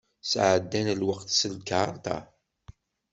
Sεeddan lweqt s lkarṭa.